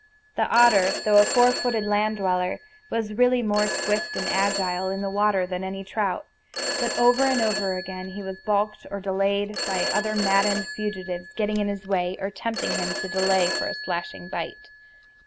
The otter, though a four footed land dweller, was really more swift and agile in the water than any trout; but over and over again he was balked or delayed by other maddened fugitives getting in his way, or tempting him to delay for a slashing bite.